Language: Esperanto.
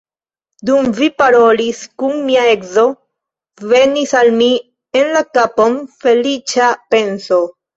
Dum vi parolis kun mia edzo, venis al mi en la kapon feliĉa penso.